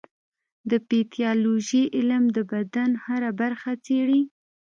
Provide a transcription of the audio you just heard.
د پیتالوژي علم د بدن هره برخه څېړي.